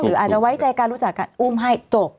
อาจจะไว้ใจการรู้จักการอุ้มให้จบ